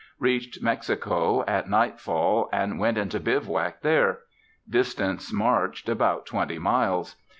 Reached Mexico at nightfall, and went into bivouac there. Distance marched, about twenty miles.